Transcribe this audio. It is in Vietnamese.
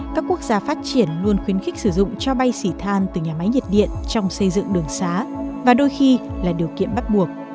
các quốc gia phát triển luôn khuyến khích sử dụng cho bay xỉ than từ nhà máy nhiệt điện trong xây dựng đường xá và đôi khi là điều kiện bắt buộc